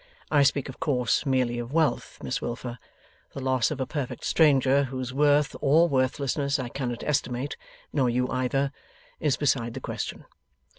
I speak, of course, merely of wealth, Miss Wilfer. The loss of a perfect stranger, whose worth, or worthlessness, I cannot estimate nor you either is beside the question.